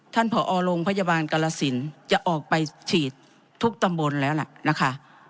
ผอโรงพยาบาลกรสินจะออกไปฉีดทุกตำบลแล้วล่ะนะคะ